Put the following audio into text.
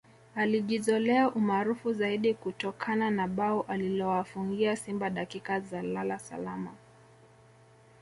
Alijizolea umaarufu zaidi kutokana na bao alilowafungia Simba dakika za lala salama